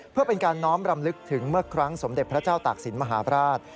เพื่อเป็นการน้อมรำลึกถึงเมื่อครั้งสมเด็จพระเจ้าตากศิลปราช